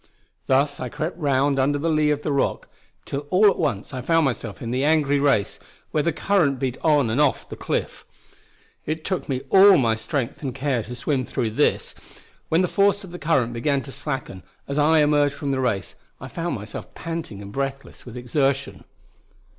Thus I crept round under the lee of the Rock, till all at once I found myself in the angry race, where the current beat on and off the cliff. It took me all my strength and care to swim through this; when the force of the current began to slacken, as I emerged from the race, I found myself panting and breathless with the exertion.